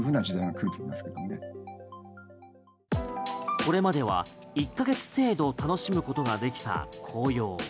これまでは１か月程度楽しむことができた紅葉。